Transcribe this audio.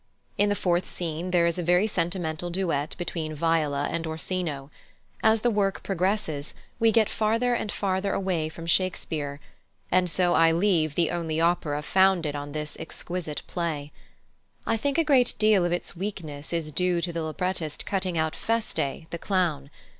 In the fourth scene there is a very sentimental duet between Viola and Orsino. As the work progresses we get farther and farther away from Shakespeare, and so I leave the only opera founded on this exquisite play. I think a great deal of its weakness is due to the librettist cutting out Feste, the clown.